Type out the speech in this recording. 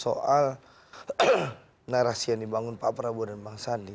soal narasi yang dibangun pak prabowo dan bang sandi